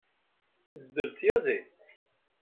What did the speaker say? Tezdel tyaẓiḍt.